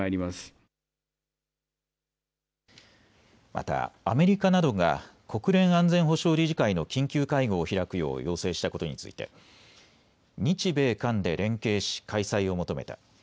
またアメリカなどが国連安全保障理事会の緊急会合を開くよう要請したことについて日米韓で連携し開催を求めた。